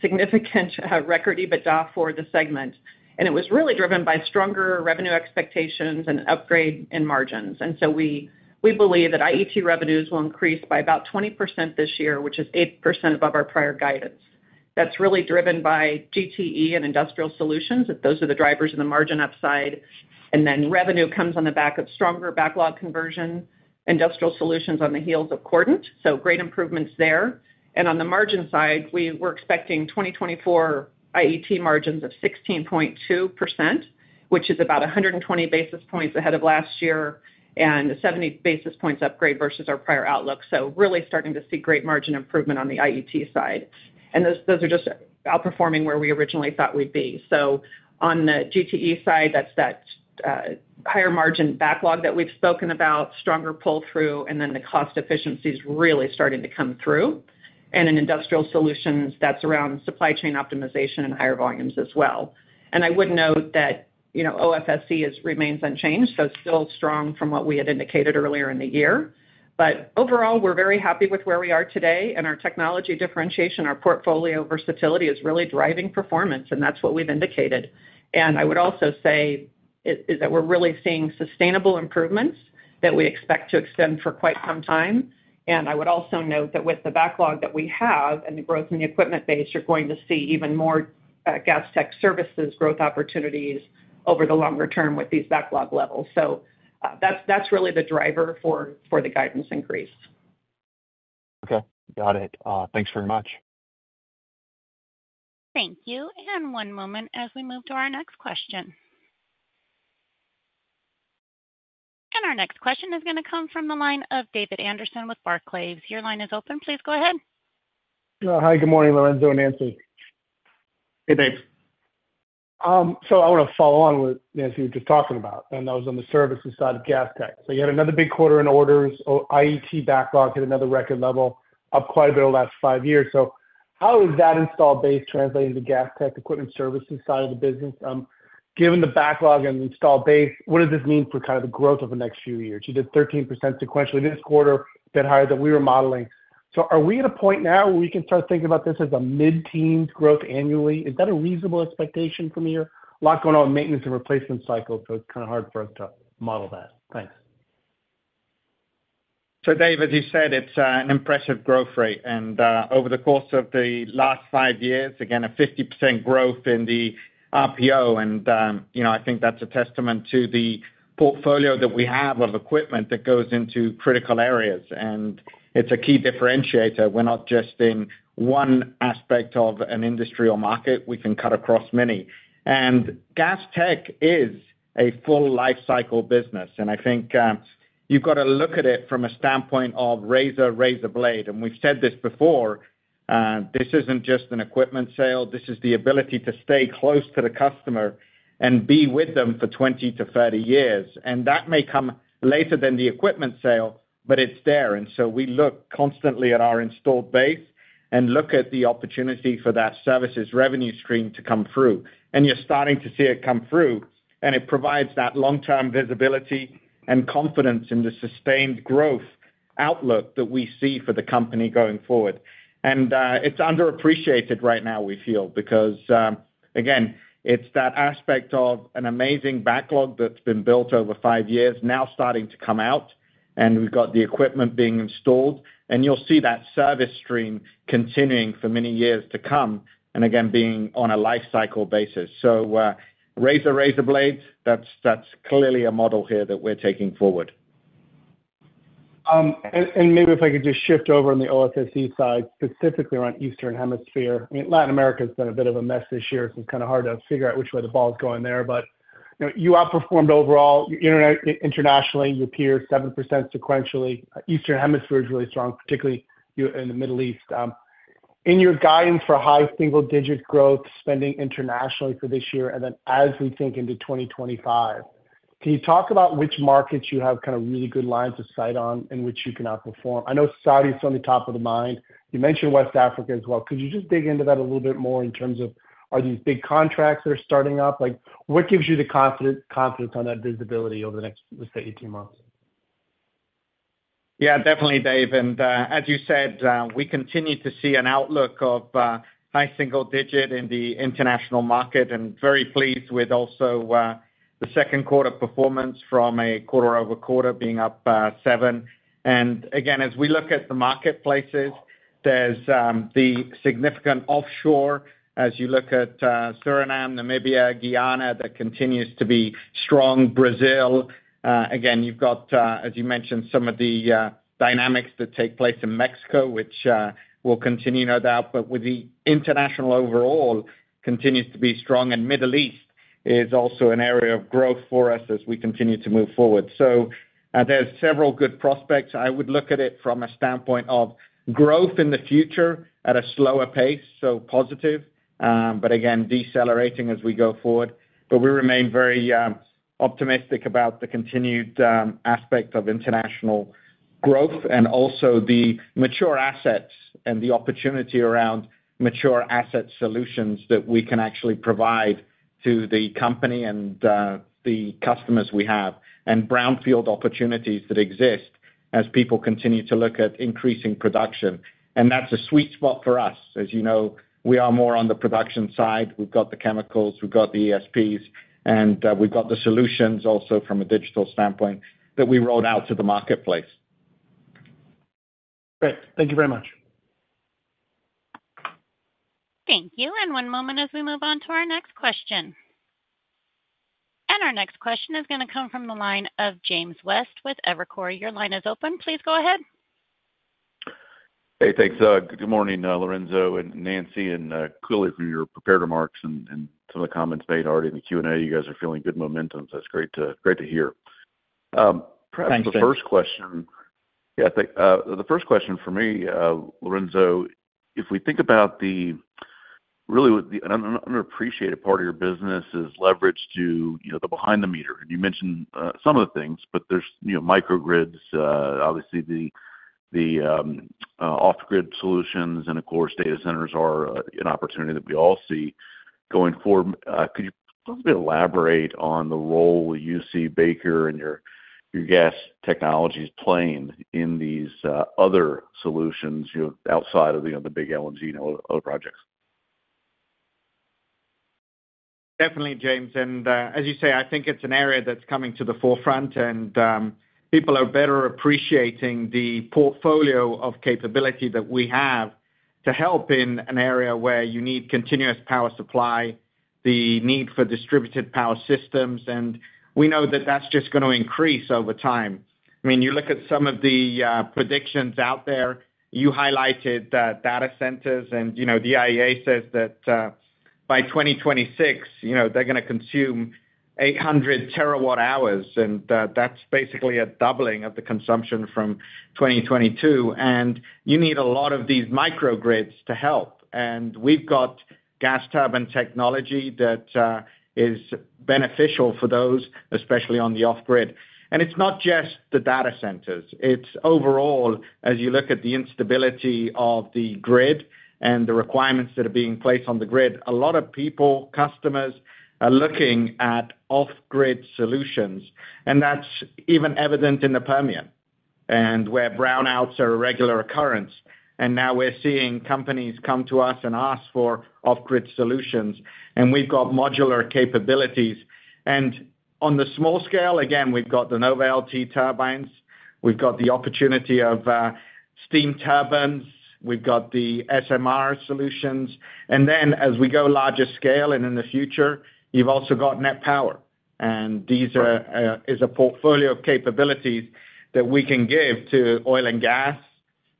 significant record EBITDA for the segment. And it was really driven by stronger revenue expectations and upgrade in margins. And so we believe that IET revenues will increase by about 20% this year, which is 8% above our prior guidance. That's really driven by GTE and Industrial Solutions. Those are the drivers in the margin upside, and then revenue comes on the back of stronger backlog conversion, Industrial Solutions on the heels of Cordant. So great improvements there. And on the margin side, we're expecting 2024 IET margins of 16.2%, which is about 120 basis points ahead of last year and 70 basis points upgrade versus our prior outlook. So really starting to see great margin improvement on the IET side. And those, those are just outperforming where we originally thought we'd be. So on the GTE side, that's that higher margin backlog that we've spoken about, stronger pull-through, and then the cost efficiencies really starting to come through. And in Industrial Solutions, that's around supply chain optimization and higher volumes as well. And I would note that, you know, OFSE remains unchanged, so it's still strong from what we had indicated earlier in the year. But overall, we're very happy with where we are today and our technology differentiation, our portfolio versatility is really driving performance, and that's what we've indicated. And I would also say is, is that we're really seeing sustainable improvements that we expect to extend for quite some time. And I would also note that with the backlog that we have and the growth in the equipment base, you're going to see even more, Gas Tech Services growth opportunities over the longer term with these backlog levels. So, that's, that's really the driver for, for the guidance increase. Okay, got it. Thanks very much. Thank you. One moment as we move to our next question. Our next question is gonna come from the line of David Anderson with Barclays. Your line is open. Please go ahead. Hi, good morning, Lorenzo and Nancy. Hey, Dave. So I wanna follow on what Nancy was just talking about, and that was on the services side of Gas Tech. So you had another big quarter in orders, or IET backlog at another record level, up quite a bit over the last five years. So how is that install base translating to Gas Tech Equipment services side of the business? Given the backlog and install base, what does this mean for kind of the growth over the next few years? You did 13% sequentially this quarter, bit higher than we were modeling. So are we at a point now where we can start thinking about this as a mid-teens growth annually? Is that a reasonable expectation from here? A lot going on in maintenance and replacement cycle, so it's kind of hard for us to model that. Thanks. So Dave, as you said, it's an impressive growth rate, and over the course of the last five years, again, a 50% growth in the RPO, and you know, I think that's a testament to the portfolio that we have of equipment that goes into critical areas, and it's a key differentiator. We're not just in one aspect of an industry or market, we can cut across many. And Gas Tech is a full life cycle business, and I think you've got to look at it from a standpoint of razor, razor blade. And we've said this before, this isn't just an equipment sale, this is the ability to stay close to the customer and be with them for 20-30 years. And that may come later than the equipment sale, but it's there. So we look constantly at our installed base and look at the opportunity for that services revenue stream to come through. And you're starting to see it come through, and it provides that long-term visibility and confidence in the sustained growth outlook that we see for the company going forward. And, it's underappreciated right now, we feel, because, again, it's that aspect of an amazing backlog that's been built over five years, now starting to come out, and we've got the equipment being installed, and you'll see that service stream continuing for many years to come, and again, being on a life cycle basis. So, razor, razor blades, that's, that's clearly a model here that we're taking forward. Maybe if I could just shift over on the OFSE side, specifically around Eastern Hemisphere. I mean, Latin America has been a bit of a mess this year; it's been kind of hard to figure out which way the ball is going there. But, you know, you outperformed overall, internationally, you appear 7% sequentially. Eastern Hemisphere is really strong, particularly in the Middle East. In your guidance for high single-digit growth, spending internationally for this year, and then as we think into 2025, can you talk about which markets you have kind of really good lines of sight on in which you can outperform? I know Saudi is on the top of the mind. You mentioned West Africa as well. Could you just dig into that a little bit more in terms of, are these big contracts that are starting up? Like, what gives you the confidence, confidence on that visibility over the next, let's say, 18 months? Yeah, definitely, Dave. And, as you said, we continue to see an outlook of high single digit in the international market, and very pleased with also the Q2 performance from a quarter-over-quarter being up 7%. And again, as we look at the marketplaces, there's the significant offshore, as you look at Suriname, Namibia, Guyana, that continues to be strong. Brazil, again, you've got, as you mentioned, some of the dynamics that take place in Mexico, which will continue, no doubt, but with the international overall, continues to be strong. And Middle East is also an area of growth for us as we continue to move forward. So, there's several good prospects. I would look at it from a standpoint of growth in the future at a slower pace, so positive, but again, decelerating as we go forward. But we remain very optimistic about the continued aspect of international growth, and also the mature assets and the opportunity around mature asset solutions that we can actually provide to the company and the customers we have, and brownfield opportunities that exist as people continue to look at increasing production. And that's a sweet spot for us. As you know, we are more on the production side. We've got the chemicals, we've got the ESPs, and we've got the solutions also from a digital standpoint, that we rolled out to the marketplace. Great. Thank you very much. Thank you. And one moment as we move on to our next question. And our next question is gonna come from the line of James West with Evercore. Your line is open. Please go ahead. Hey, thanks, good morning, Lorenzo and Nancy, and clearly from your prepared remarks and some of the comments made already in the Q&A, you guys are feeling good momentum. So that's great to, great to hear. Perhaps the first question, yeah, thanks, the first question for me, Lorenzo, if we think about really the unappreciated part of your business is leverage to, you know, the behind the meter. You mentioned some of the things, but there's, you know, microgrids, obviously the off-grid solutions, and of course, data centers are an opportunity that we all see going forward. Could you elaborate on the role you see Baker and your gas technologies playing in these other solutions, you know, outside of the, you know, the big LNG and other projects? Definitely, James, and, as you say, I think it's an area that's coming to the forefront, and, people are better appreciating the portfolio of capability that we have to help in an area where you need continuous power supply, the need for distributed power systems, and we know that that's just going to increase over time. I mean, you look at some of the, predictions out there, you highlighted the data centers, and, you know, EIA says that, by 2026, you know, they're going to consume 800 TWh, and, that's basically a doubling of the consumption from 2022. And you need a lot of these microgrids to help. And we've got gas turbine technology that, is beneficial for those, especially on the off grid. And it's not just the data centers. It's overall, as you look at the instability of the grid and the requirements that are being placed on the grid, a lot of people, customers, are looking at off-grid solutions, and that's even evident in the Permian, where brownouts are a regular occurrence. Now we're seeing companies come to us and ask for off-grid solutions, and we've got modular capabilities. On the small scale, again, we've got the NovaLT turbines, we've got the opportunity of steam turbines, we've got the SMR solutions. Then as we go larger scale and in the future, you've also got NET Power, and these are, is a portfolio of capabilities that we can give to oil and gas,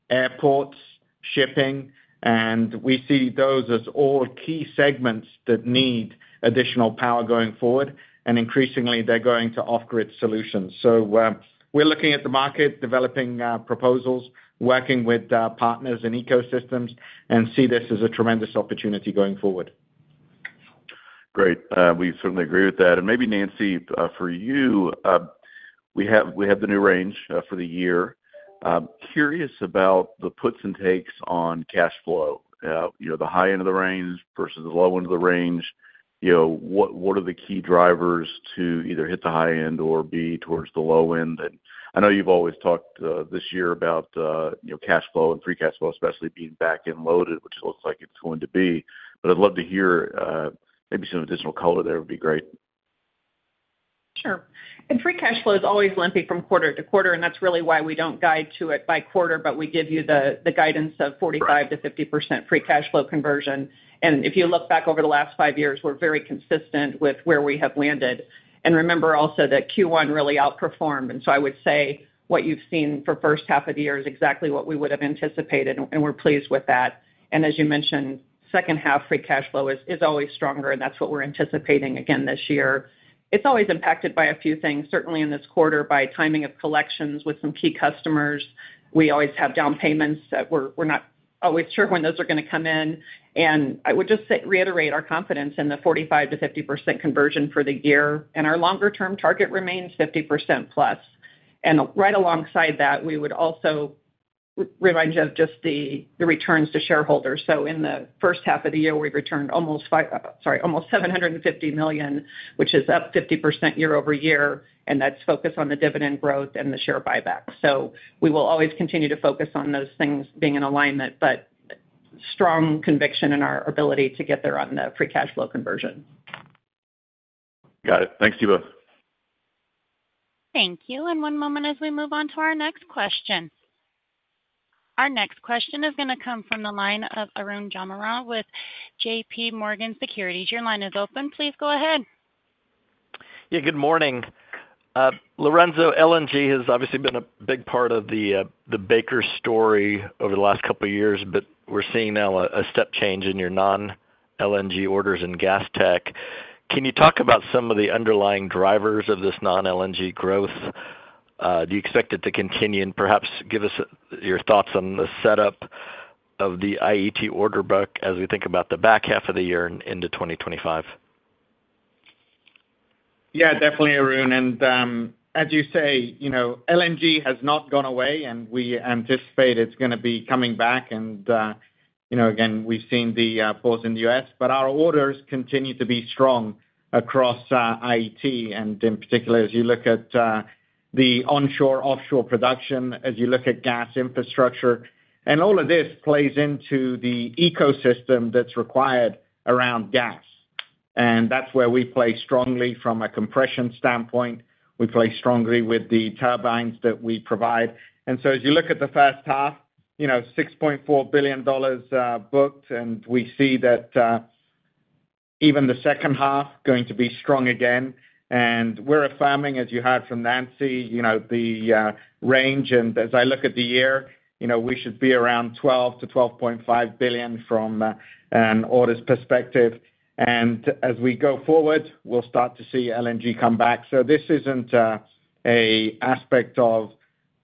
airports, shipping, and we see those as all key segments that need additional power going forward, and increasingly, they're going to off-grid solutions. So, we're looking at the market, developing proposals, working with partners and ecosystems, and see this as a tremendous opportunity going forward. Great. We certainly agree with that. And maybe, Nancy, for you, we have, we have the new range for the year. Curious about the puts and takes on cash flow, you know, the high end of the range versus the low end of the range. You know, what are the key drivers to either hit the high end or be towards the low end? And I know you've always talked this year about, you know, cash flow and free cash flow, especially being back-end loaded, which it looks like it's going to be. But I'd love to hear, maybe some additional color there would be great. Sure. Free cash flow is always lumpy from quarter to quarter, and that's really why we don't guide to it by quarter, but we give you the guidance of 45%-50% free cash flow conversion. If you look back over the last five years, we're very consistent with where we have landed. Remember also that Q1 really outperformed, and so I would say what you've seen for first half of the year is exactly what we would have anticipated, and we're pleased with that. As you mentioned, second half, free cash flow is always stronger, and that's what we're anticipating again this year. It's always impacted by a few things, certainly in this quarter, by timing of collections with some key customers. We always have down payments that we're not always sure when those are going to come in. I would just say, reiterate our confidence in the 45%-50% conversion for the year, and our longer-term target remains 50%+. Right alongside that, we would also remind you of just the returns to shareholders. So in the first half of the year, we've returned almost $750 million, which is up 50% year-over-year, and that's focused on the dividend growth and the share buyback. So we will always continue to focus on those things being in alignment, but strong conviction in our ability to get there on the free cash flow conversion. Got it. Thanks to you both. Thank you. And one moment as we move on to our next question. Our next question is going to come from the line of Arun Jayaram with J.P. Morgan Securities. Your line is open. Please go ahead. Yeah, good morning. Lorenzo, LNG has obviously been a big part of the Baker story over the last couple of years, but we're seeing now a step change in your non-LNG orders in Gas Tech. Can you talk about some of the underlying drivers of this non-LNG growth? Do you expect it to continue? And perhaps give us your thoughts on the setup of the IET order book as we think about the back half of the year into 2025. Yeah, definitely, Arun. As you say, you know, LNG has not gone away, and we anticipate it's going to be coming back, and, you know, again, we've seen the pause in the U.S., but our orders continue to be strong across IET, and in particular, as you look at the onshore-offshore production, as you look at gas infrastructure, and all of this plays into the ecosystem that's required around gas. That's where we play strongly from a compression standpoint. We play strongly with the turbines that we provide. So as you look at the first half, you know, $6.4 billion booked, and we see that even the second half going to be strong again. We're affirming, as you heard from Nancy, you know, the range, and as I look at the year, you know, we should be around $12 billion-$12.5 billion from an orders perspective. And as we go forward, we'll start to see LNG come back. So this isn't a aspect of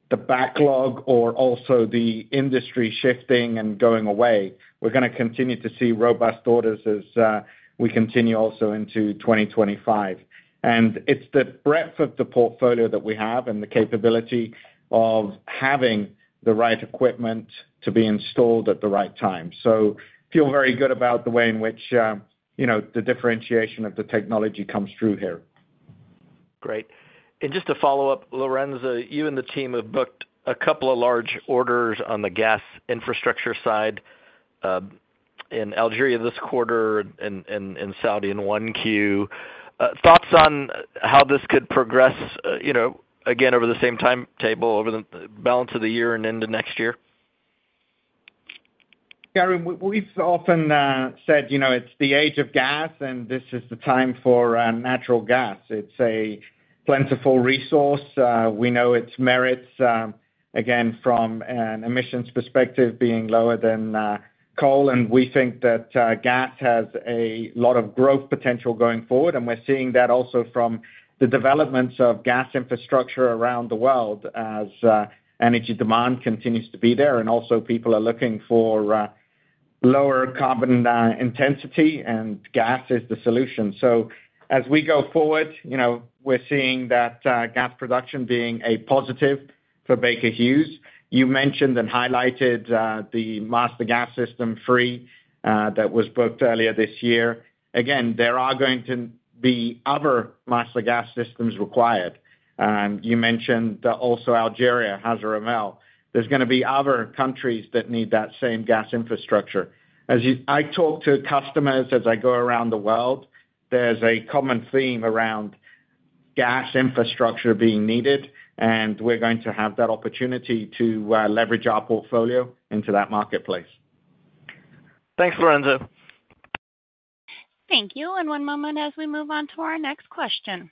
the backlog or also the industry shifting and going away. We're going to continue to see robust orders as we continue also into 2025. And it's the breadth of the portfolio that we have and the capability of having the right equipment to be installed at the right time. So feel very good about the way in which, you know, the differentiation of the technology comes through here. Great. And just to follow-up, Lorenzo, you and the team have booked a couple of large orders on the gas infrastructure side, in Algeria this quarter and Saudi in 1Q. Thoughts on how this could progress, you know, again, over the same timetable, over the balance of the year and into next year? Gary, we, we've often said, you know, it's the age of gas, and this is the time for natural gas. It's a plentiful resource. We know its merits, again, from an emissions perspective, being lower than coal, and we think that gas has a lot of growth potential going forward, and we're seeing that also from the developments of gas infrastructure around the world as energy demand continues to be there, and also people are looking for lower carbon intensity, and gas is the solution. So as we go forward, you know, we're seeing that gas production being a positive for Baker Hughes. You mentioned and highlighted the Master Gas System 3 that was booked earlier this year. Again, there are going to be other Master Gas Systems required. And you mentioned also Algeria, Hassi R'Mel. There's gonna be other countries that need that same gas infrastructure. As you, I talk to customers as I go around the world, there's a common theme around gas infrastructure being needed, and we're going to have that opportunity to leverage our portfolio into that marketplace. Thanks, Lorenzo. Thank you, and one moment as we move on to our next question.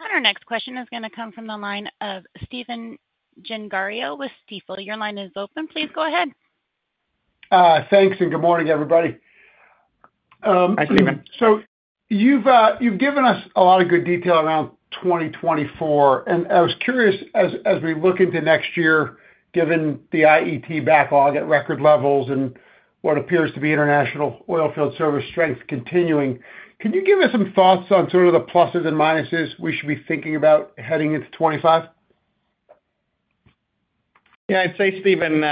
Our next question is gonna come from the line of Stephen Gengaro with Stifel. Your line is open. Please go ahead. Thanks, and good morning, everybody. Hi, Stephen. So you've given us a lot of good detail around 2024, and I was curious, as we look into next year, given the IET backlog at record levels and what appears to be international oilfield service strength continuing, can you give us some thoughts on sort of the pluses and minuses we should be thinking about heading into 2025? Yeah, I'd say, Stephen,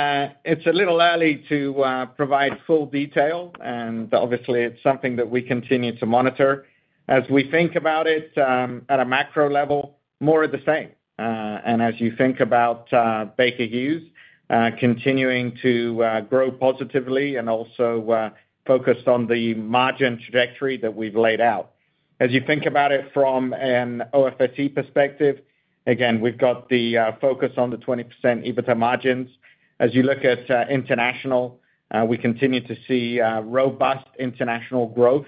it's a little early to provide full detail, and obviously, it's something that we continue to monitor. As we think about it, at a macro level, more of the same. And as you think about Baker Hughes continuing to grow positively and also focused on the margin trajectory that we've laid out. As you think about it from an OFSE perspective, again, we've got the focus on the 20% EBITDA margins. As you look at international, we continue to see robust international growth.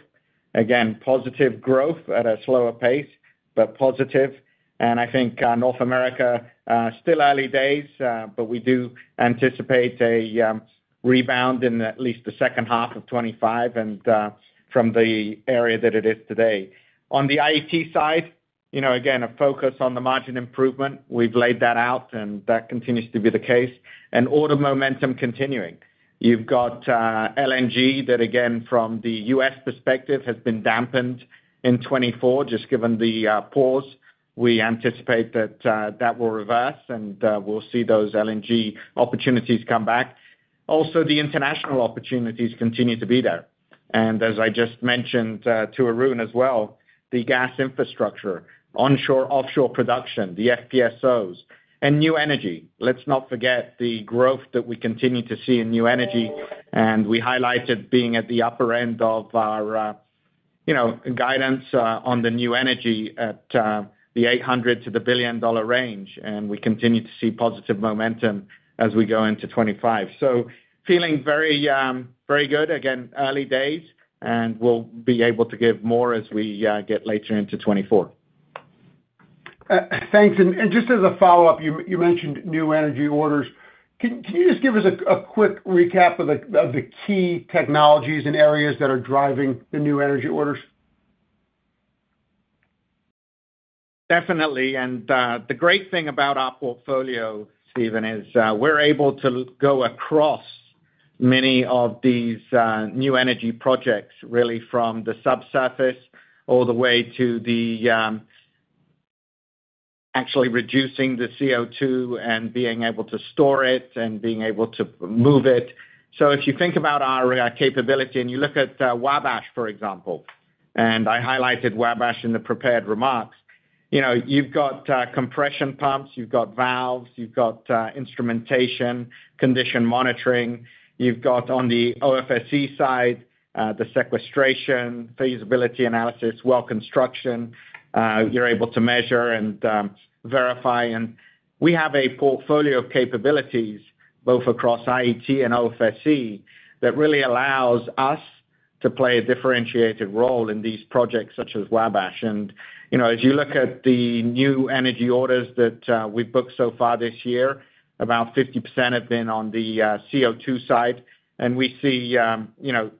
Again, positive growth at a slower pace, but positive. And I think North America still early days, but we do anticipate a rebound in at least the second half of 2025 and from the area that it is today. On the IET side, you know, again, a focus on the margin improvement. We've laid that out, and that continues to be the case, and order momentum continuing. You've got LNG that, again, from the U.S. perspective, has been dampened in 2024, just given the pause. We anticipate that that will reverse, and we'll see those LNG opportunities come back. Also, the international opportunities continue to be there. And as I just mentioned to Arun as well, the gas infrastructure, onshore, offshore production, the FPSOs, and new energy. Let's not forget the growth that we continue to see in new energy, and we highlighted being at the upper end of our, you know, guidance on the new energy at the $800 million-$1 billion range, and we continue to see positive momentum as we go into 2025. So feeling very, very good, again, early days, and we'll be able to give more as we get later into 2024. Thanks. And just as a follow-up, you mentioned new energy orders. Can you just give us a quick recap of the key technologies and areas that are driving the new energy orders? Definitely, and, the great thing about our portfolio, Stephen, is, we're able to go across many of these, new energy projects, really from the subsurface all the way to the, actually reducing the CO2 and being able to store it and being able to move it. So if you think about our, capability and you look at, Wabash, for example, and I highlighted Wabash in the prepared remarks, you know, you've got, compression pumps, you've got valves, you've got, instrumentation, condition monitoring. You've got, on the OFSE side, the sequestration, feasibility analysis, well construction. You're able to measure and, verify, and we have a portfolio of capabilities, both across IET and OFSE, that really allows us to play a differentiated role in these projects, such as Wabash. And, you know, as you look at the new energy orders that we've booked so far this year, about 50% have been on the CO2 side, and we see, you know,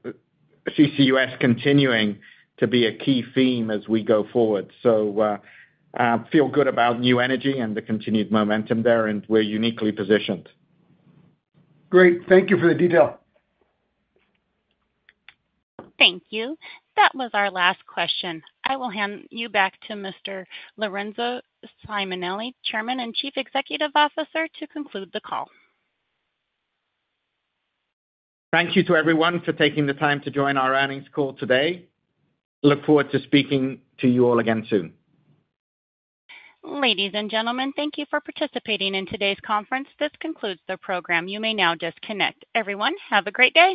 CCUS continuing to be a key theme as we go forward. So, feel good about new energy and the continued momentum there, and we're uniquely positioned. Great. Thank you for the detail. Thank you. That was our last question. I will hand you back to Mr. Lorenzo Simonelli, Chairman and Chief Executive Officer, to conclude the call. Thank you to everyone for taking the time to join our earnings call today. Look forward to speaking to you all again soon. Ladies and gentlemen, thank you for participating in today's conference. This concludes the program. You may now disconnect. Everyone, have a great day!